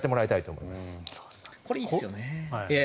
これ、いいですよね。